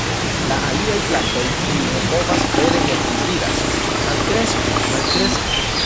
La aliaj plantoj, kiuj ne povas vere helpi, diras: "Malkresku! Malkresku!".